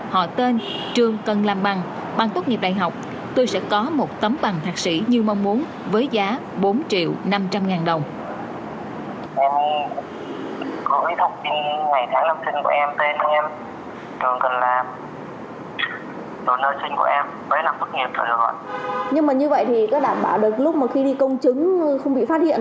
họ tên trường cần làm bằng bằng tốt nghiệp đại học tôi sẽ có một tấm bằng thạc sĩ như mong muốn với giá bốn triệu năm trăm linh ngàn đồng